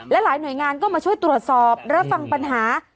และหลายหน่วยงานก็มาช่วยตรวจสอบรับฟังปัญหา